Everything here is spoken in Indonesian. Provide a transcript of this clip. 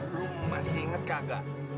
lo masih inget kagak